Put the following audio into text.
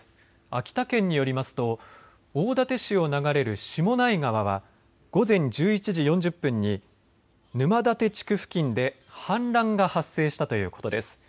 秋田県によりますと大館市を流れる下内川は午前１１時４０分に沼館地区付近で氾濫が発生したということです。